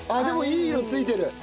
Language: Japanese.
でもいい色ついてる。